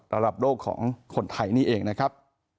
ระดับโลกของคนไทยนี่เองนะครับ